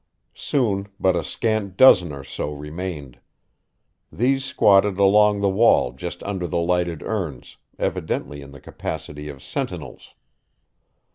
Soon but a scant dozen or so remained. These squatted along the wall just under the lighted urns, evidently in the capacity of sentinels.